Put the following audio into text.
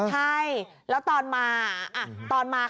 เลี้ยงเลี้ยงเลี้ยงเลี้ยง